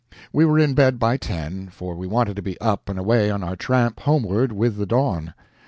We were in bed by ten, for we wanted to be up and away on our tramp homeward with the dawn.